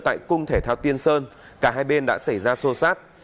tại cung thể thao tiên sơn cả hai bên đã xảy ra sô sát